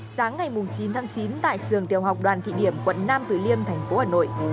sáng ngày chín tháng chín tại trường tiểu học đoàn thị điểm quận nam tử liêm thành phố hà nội